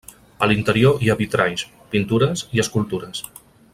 A l'interior hi ha vitralls, pintures i escultures.